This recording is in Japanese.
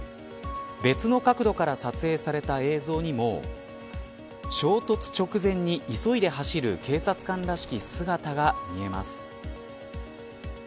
別の角度から撮影された映像にも衝突直前に、急いで走る警察官らしき姿が見えます。